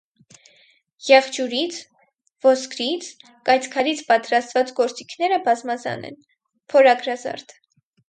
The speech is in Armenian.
Եղջյուրից, ոսկրից, կայծքարից պատրաստված գործիքները բազմազան են, փորագրազարդ։